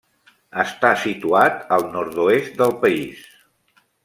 Està situat al nord-oest del país.